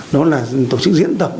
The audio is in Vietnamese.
đó là tổ chức diễn tập